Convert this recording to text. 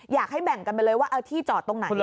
อยากให้แบ่งกันไปเลยว่าที่จอดตรงไหน